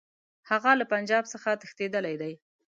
هغه له پنجاب څخه تښتېدلی دی.